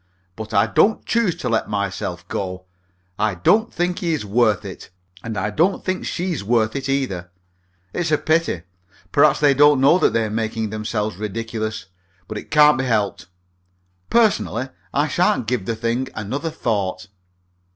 But I don't choose to let myself go. I don't think he's worth it, and I don't think she's worth it either. It's a pity, perhaps, that they don't know that they're making themselves ridiculous, but it can't be helped. Personally, I sha'n't give the thing another thought."